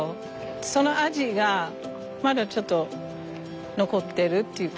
その味がまだちょっと残ってるっていうか。